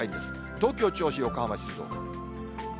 東京、銚子、横浜、静岡。